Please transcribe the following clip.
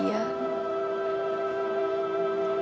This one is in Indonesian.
mami akan selalu berhenti